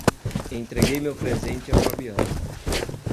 Entreguei meu presente à Fabiana